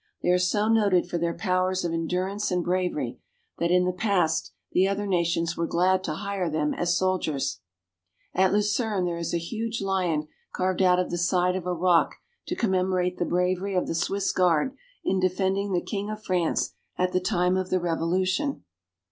They are so noted for their powers of endurance and bravery that in the past the other nations were glad to hire them as soldiers. At THE SWISS PEOPLE. 267 Lucerne there is a huge lion carved out of the side of a rock to commemorate the bravery of the Swiss Guard in defending the king of France at the time of the Revolution.